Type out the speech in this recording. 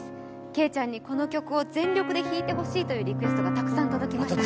けいちゃんにこの曲を全力で弾いてほしいというリクエストがたくさん届きました。